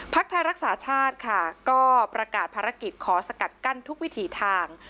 ไทยรักษาชาติค่ะก็ประกาศภารกิจขอสกัดกั้นทุกวิถีทาง